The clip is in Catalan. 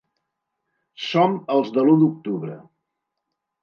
Som els de l’u d’octubre.